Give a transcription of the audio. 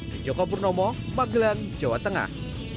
di joko purnomo magelang jawa tengah